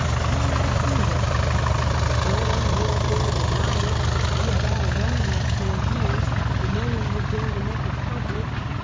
"Can I prove it?" "Ko one will dare deny it. We have all known that for years, but no one would dare to make it pub lic.